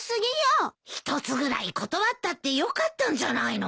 １つぐらい断ったってよかったんじゃないの？